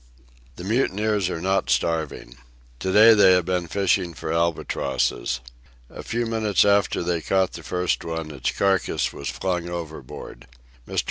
The mutineers are not starving. To day they have been fishing for albatrosses. A few minutes after they caught the first one its carcase was flung overboard. Mr.